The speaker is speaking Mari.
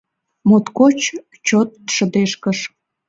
— Моткоч чот шыдешкыш.